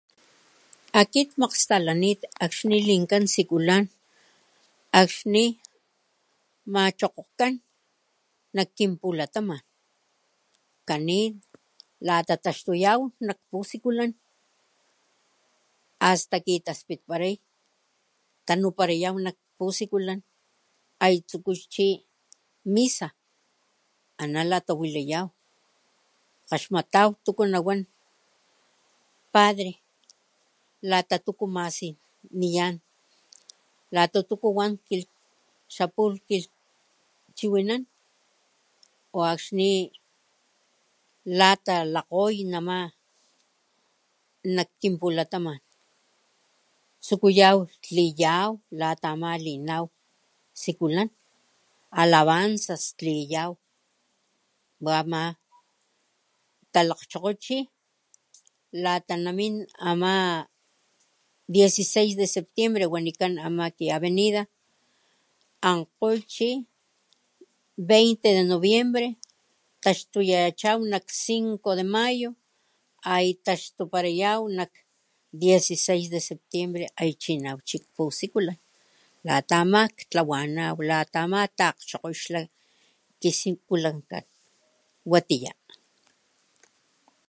Akit kmakgstalanit akxni linkan sikulan akxni machokgokan nakkinpulataman kanit latataxtuyaw lata nak pusikulan asta kitaspitparay tanuparayaw nak pusikulan ay tsuku chi misa na natatawilayaw kgaxmataw lata nawan padre lata tuku masiniyan lata tuku wan xapulhki chiwinano akxni lata lakgoy nama nak kinpulataman tsukutaw tliyaw lata linaw sikulan alavanzas wa ama talakgchokgoy chi lata namin ama 16 de septiembre wanikan ama ki avenida ankgoy chi 20 de noviembre taxtuyachaw nak 5 de mayo ay taxtuparayaw 16 de septiembre ay chi linaw chi nak pusikulan lata ama tlawanaw lata ama takgchokgo kisikulankan watiya.